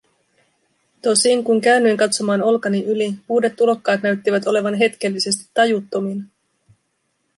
Tosin, kun käännyin katsomaan olkani yli, uudet tulokkaat näyttivät olevan hetkellisesti tajuttomina.